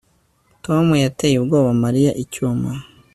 Tom yateye ubwoba Mariya icyuma